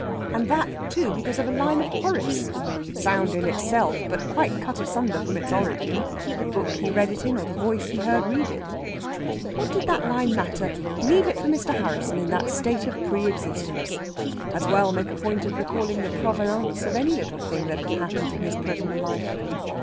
And that, too, because of a line of Horace! sound in itself, but quite cut asunder from its origin, the book he read it in, or the voice he heard read it. What did that line matter? Leave it for Mr. Harrisson in that state of pre existence. As well make a point of recalling the provenance of any little thing that had happened in this his present life.